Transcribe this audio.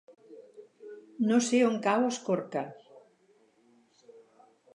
No sé on cau Escorca.